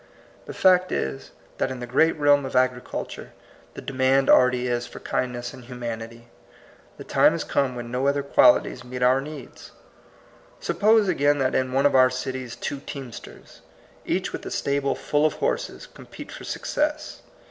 The fact is, that in the great realm of agricul ture the demand already is for kindness and humanity. The time has come when no other qualities meet our needs. Suppose, again, that in one of our cities two teamsters, each with a stable full of horses, compete for success.